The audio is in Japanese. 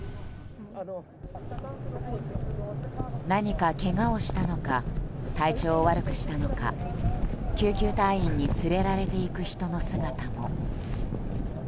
何か、けがをしたのか体調を悪くしたのか救急隊員に連れられて行く人の姿も。